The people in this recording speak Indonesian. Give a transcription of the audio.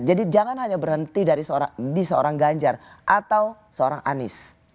jadi jangan hanya berhenti di seorang ganjar atau seorang anis